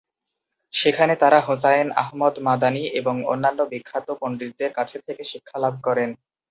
সেখানে তারা হুসাইন আহমদ মাদানি এবং অন্যান্য বিখ্যাত পণ্ডিতদের কাছ থেকে শিক্ষালাভ করেন।